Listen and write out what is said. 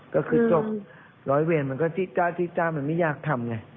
ก็คือจบร้อยเวรมันก็จ้าที่จ้ามันไม่อยากทำไง